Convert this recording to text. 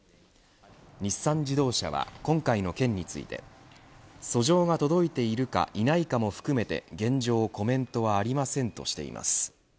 日産自動車は今回の件について訴状が届いているかいないかも含めて現状コメントはありませんとしています。